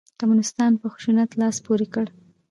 کمونسیتانو په خشونت لاس پورې کړ.